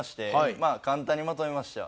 まあ簡単にまとめました。